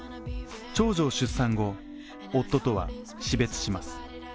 長女を出産後、夫とは死別します。